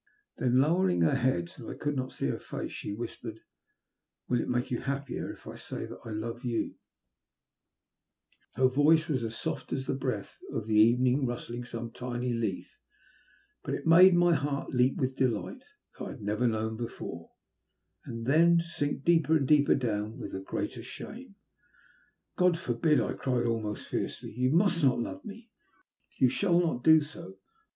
Then, lowering her head so that I could not see her face, she whispered — "Will it make you happier if I say that I love you ?" Her voice was soft as the breath of the evening rustling some tiny leaf, but it made my heart leap with a delight I had never known before, and then sink deeper and deeper down with a greater shame. " God forbid I " I cried, almost fiercely. " You must not love me. You shall not do so.